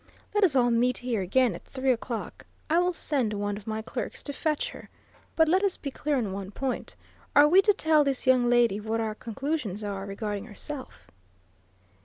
Let us all meet here again at three o'clock I will send one of my clerks to fetch her. But let us be clear on one point are we to tell this young lady what our conclusions are, regarding herself?"